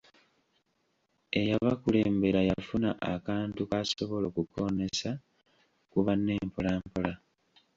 Eyabakulembera yafuna akantu k'asobola okukoonesa ku banne mpolampola.